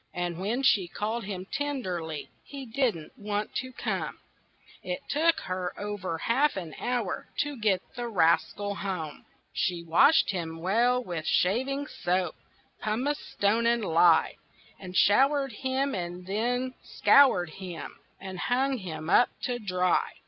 And when she called him tenderly He didn't want to come; It took her over half an hour To get the rascal home. She washed him well with shaving soap, Pumice stone and lye, She showered him and she scoured him And she hung him up to dry.